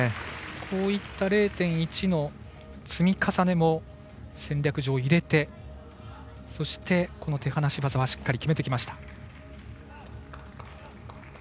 こうした０．１の積み重ねも戦略上、入れてそして、手放し技はしっかり決めてきました。